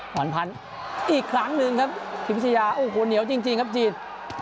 ผ่อนพันธุ์อีกครั้งหนึ่งครับพิมพิชยาโอ้โหเหนียวจริงครับจีด